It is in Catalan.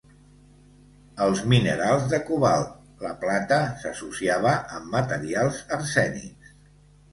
Als minerals de cobalt, la plata s"associava amb materials arsènics.